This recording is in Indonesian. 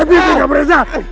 kamu orang terakhir yang bersama